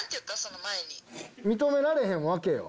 認められへんわけよ。